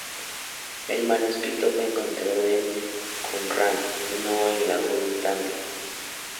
El manuscrito fue encontrado en Qumrán en la gruta no.